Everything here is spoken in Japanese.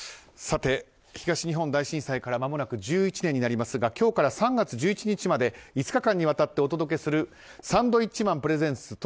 さて、東日本大震災からまもなく１１年になりますが今日から３月１１日まで５日間にわたってお届けするサンドウィッチマンプレゼンツ